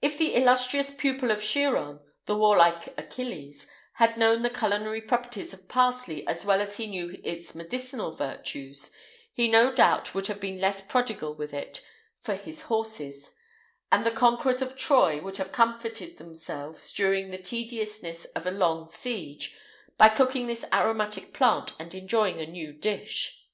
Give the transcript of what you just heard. [IX 202] If the illustrious pupil of Chiron, the warlike Achilles, had known the culinary properties of parsley as well as he knew its medicinal virtues, he no doubt would have been less prodigal with it for his horses;[IX 203] and the conquerors of Troy would have comforted themselves, during the tediousness of a long siege, by cooking this aromatic plant, and enjoying a new dish.